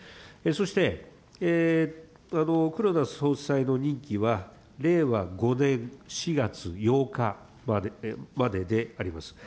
そして、黒田総裁の任期は令和５年４月８日までであります。